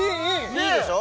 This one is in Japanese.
いいでしょ？